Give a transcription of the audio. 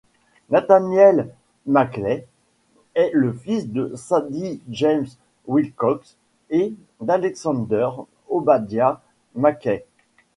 Nathaniel Mackey est le fils de Sadie Jane Wilcox, et d'Alexander Obadiah Mackey.